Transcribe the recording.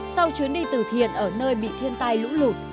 sau chuyến đi từ thiện ở nơi bị thiên tai lũ lụt